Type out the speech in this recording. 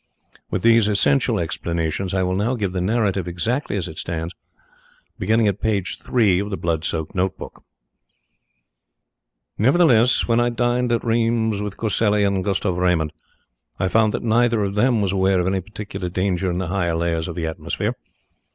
With these essential explanations I will now give the narrative exactly as it stands, beginning at page three of the blood soaked note book: "Nevertheless, when I dined at Rheims with Coselli and Gustav Raymond I found that neither of them was aware of any particular danger in the higher layers of the atmosphere.